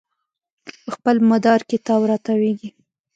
په خپل مدار کې تاو راتاویږي